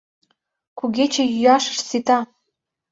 Кугече йӱашышт сита.